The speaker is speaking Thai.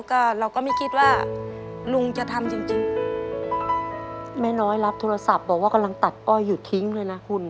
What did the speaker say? ก็เราก็ไม่คิดว่าลุงจะทำจริงจริงแม่น้อยรับโทรศัพท์บอกว่ากำลังตัดอ้อยอยู่ทิ้งเลยนะคุณ